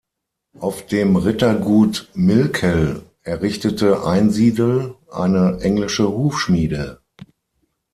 Auf dem Rittergut Milkel errichtete Einsiedel eine englische Hufschmiede.